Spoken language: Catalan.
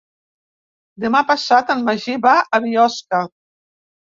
Demà passat en Magí va a Biosca.